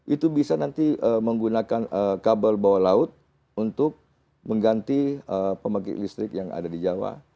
itu bisa nanti menggunakan kabel bawah laut untuk mengganti pembangkit listrik yang ada di jawa